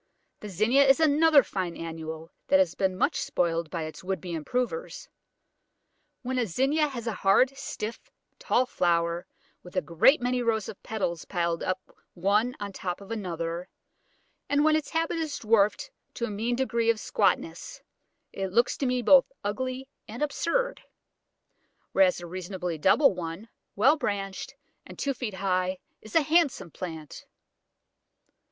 The Zinnia is another fine annual that has been much spoilt by its would be improvers. When a Zinnia has a hard, stiff, tall flower, with a great many rows of petals piled up one on top of another, and when its habit is dwarfed to a mean degree of squatness, it looks to me both ugly and absurd, whereas a reasonably double one, well branched, and two feet high, is a handsome plant.